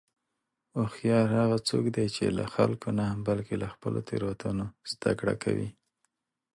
هوښیار څوک دی چې له خلکو نه، بلکې له خپلو تېروتنو زدهکړه کوي.